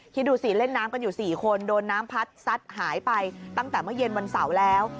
คิดดูสิเล่นน้ำกันอยู่๔คนโดนน้ำพัดซัดหายไปตั้งแต่เมื่อเย็นวันเสาร์แล้ว